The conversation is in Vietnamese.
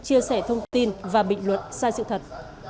chia sẻ thông tin và bình luận sai sự thật